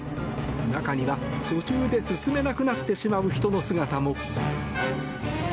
中には、途中で進めなくなってしまう人の姿も。